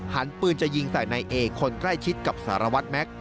ปืนจะยิงใส่นายเอคนใกล้ชิดกับสารวัตรแม็กซ